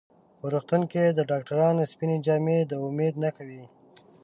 په روغتون کې د ډاکټرانو سپینې جامې د امید نښه وي.